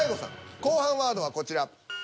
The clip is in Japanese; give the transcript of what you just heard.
後半ワードはこちら。